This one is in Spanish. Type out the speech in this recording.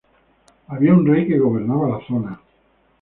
Había un rey que gobernaba la zona.